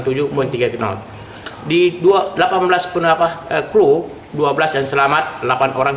di delapan belas kru dua belas yang selamat delapan orang